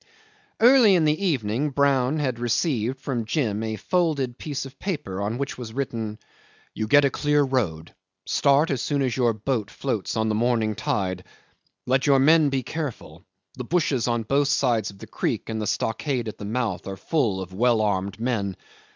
'Early in the evening Brown had received from Jim a folded piece of paper on which was written, "You get the clear road. Start as soon as your boat floats on the morning tide. Let your men be careful. The bushes on both sides of the creek and the stockade at the mouth are full of well armed men.